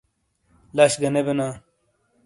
لش گہ نے بینا۔